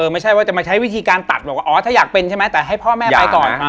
ไม่ใช่ว่าจะมาใช้วิธีการตัดบอกว่าอ๋อถ้าอยากเป็นใช่ไหมแต่ให้พ่อแม่ไปก่อน